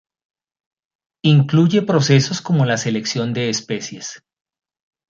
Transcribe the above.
Incluye procesos como la selección de especies.